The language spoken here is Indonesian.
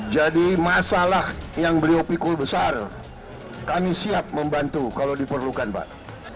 jadi masalah yang beliau pikul besar kami siap membantu kalau diperlukan pak